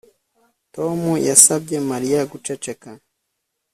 Tom yasabye Mariya guceceka